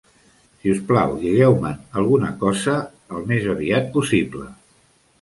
Si us plau, digueu-me'n alguna cosa al més aviat possible